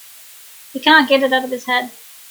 He cannot get it out of his head.